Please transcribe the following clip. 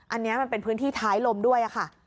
อันนี้มันเป็นพื้นที่ท้ายลมด้วยค่ะ